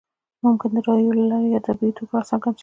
ممکن د رایو له لارې یا په طبیعي توګه راڅرګند شوی وي.